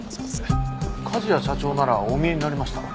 梶谷社長ならお見えになりました。